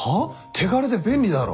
手軽で便利だろ。